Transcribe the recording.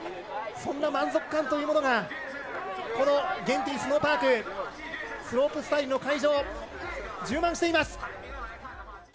そんな満足感というものが、このスノーパーク、スロープスタイルの会場を充満しています。